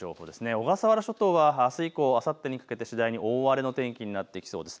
小笠原諸島はあす以降、あさってにかけて大荒れの天気になってきそうです。